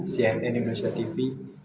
cnn indonesia tv